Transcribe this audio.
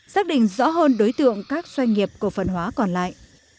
xác định rõ hơn đối tượng các doanh nghiệp cổ phần hóa còn lại